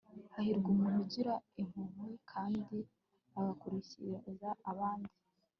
hahirwa umuntu ugira impuhwe, kandi akaguriza abandi